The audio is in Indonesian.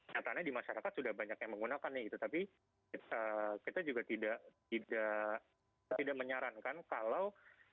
nyatanya di masyarakat sudah banyak yang menggunakannya gitu tapi kita juga tidak tidak tidak menyarankan kalau